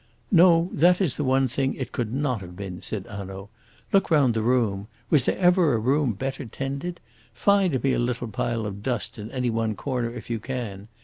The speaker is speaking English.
"No; that is the one thing it could not have been," said Hanaud. "Look round the room. Was there ever a room better tended? Find me a little pile of dust in any one corner if you can!